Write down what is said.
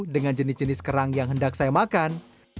dengan jenis jenis kerang yang hendak saya makan